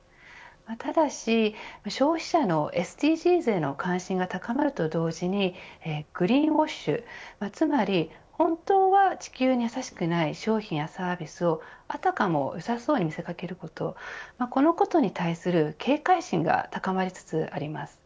ただし消費者のＳＤＧｓへの関心が高まると同時にグリーンウォッシュつまり本当は地球に優しくない商品やサービスをあたかもよさそうに見せかけることこのことに対する警戒心が高まりつつあります。